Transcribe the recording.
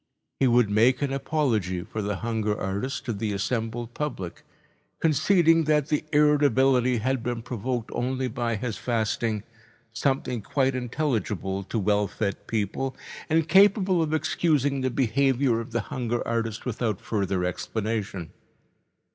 He would make an apology for the hunger artist to the assembled public, conceding that the irritability had been provoked only by his fasting, something quite intelligible to well fed people and capable of excusing the behaviour of the hunger artist without further explanation.